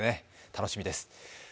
楽しみです。